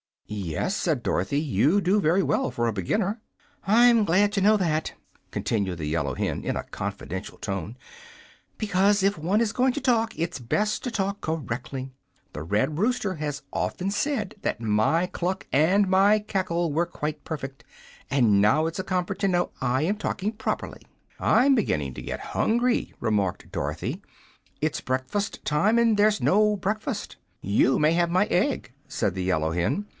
"Yes," said Dorothy, "you do very well, for a beginner." "I'm glad to know that," continued the yellow hen, in a confidential tone; "because, if one is going to talk, it's best to talk correctly. The red rooster has often said that my cluck and my cackle were quite perfect; and now it's a comfort to know I am talking properly." "I'm beginning to get hungry," remarked Dorothy. "It's breakfast time; but there's no breakfast." "You may have my egg," said the yellow hen.